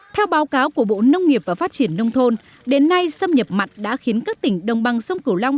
theo báo cáo của bộ nông nghiệp và phát triển nông thôn đến nay xâm nhập mặn đã khiến các tỉnh đồng bằng sông cửu long